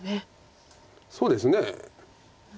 そうですね。